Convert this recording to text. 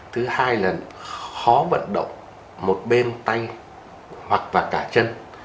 thứ hai là khó vận động một bên tay hoặc và cả chân